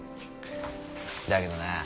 だけどな